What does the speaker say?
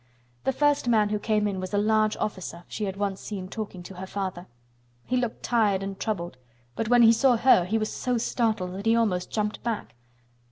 The first man who came in was a large officer she had once seen talking to her father. He looked tired and troubled, but when he saw her he was so startled that he almost jumped back.